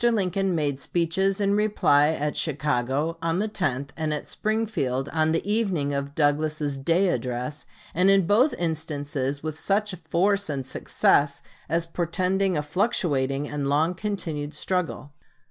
Lincoln made speeches in reply at Chicago on the 10th and at Springfield on the evening of Douglas's day address; and in both instances with such force and success as portended a fluctuating and long continued struggle. [Illustration: ANSON BURLINGAME.